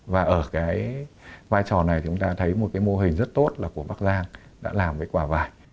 và ở vai trò này chúng ta thấy một mô hình rất tốt là của bắc giang đã làm với quả vài